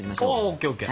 ＯＫＯＫ！